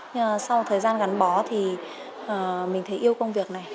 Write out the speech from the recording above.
nhưng mà sau thời gian gắn bó thì mình thấy yêu công việc này